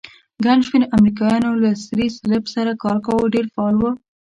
ګڼ شمېر امریکایانو له سرې صلیب سره کار کاوه، ډېر فعال وو.